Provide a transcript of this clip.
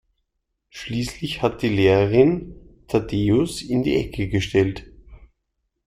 Schließlich hat die Lehrerin Thaddäus in die Ecke gestellt.